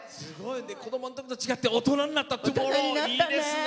子どもの時と違って大人になって「トゥモロー」いいですね。